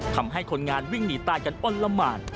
ทำให้คนงานวิ่งหนีตายกันอ้อนละหมาน